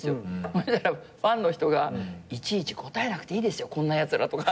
そしたらファンの人が「いちいち応えなくていいですよこんなやつら」とか。